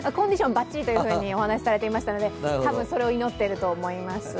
ばっちりとお話しされていましたので、それを祈っていると思います。